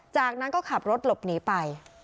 จากนั้นก็ขับรถหลบหนีไป